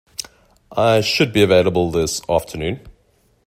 I should be available this afternoon